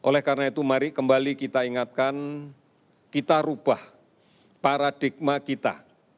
pertama kembali kembali kita ingatkan kita berubah paradigma kita